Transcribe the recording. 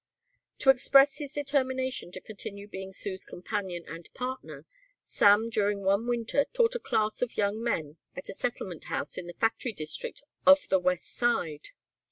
To express his determination to continue being Sue's companion and partner, Sam during one winter taught a class of young men at a settlement house in the factory district of the west side.